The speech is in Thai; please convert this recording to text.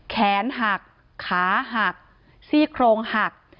แขนหักขาหักซี่โครงหัก